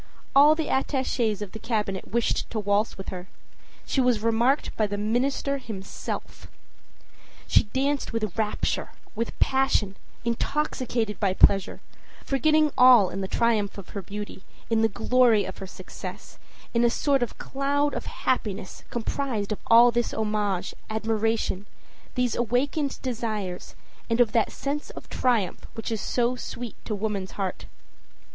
All the attaches of the Cabinet wished to waltz with her. She was remarked by the minister himself. She danced with rapture, with passion, intoxicated by pleasure, forgetting all in the triumph of her beauty, in the glory of her success, in a sort of cloud of happiness comprised of all this homage, admiration, these awakened desires and of that sense of triumph which is so sweet to woman's heart.